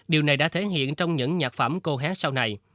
điều này đã thể hiện trong những nhạc phẩm cô hé sau này